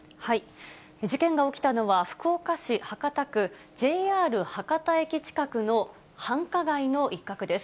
事件が起きたのは、福岡市博多区、ＪＲ博多駅近くの繁華街の一角です。